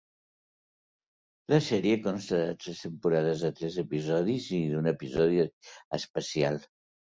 La sèrie consta de tres temporades de tres episodis i d'un episodi especial.